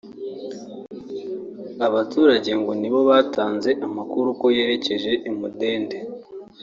Abaturage ngo ni bo batanze amakuru ko yerekeje i Mudende